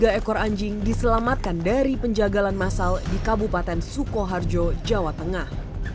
dua ribu dua puluh satu sebanyak lima puluh tiga ekor anjing diselamatkan dari penjagalan massal di kabupaten sukoharjo jawa tengah